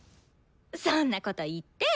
そんなこと言って。